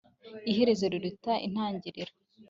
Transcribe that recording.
iherezo riruta intangiriro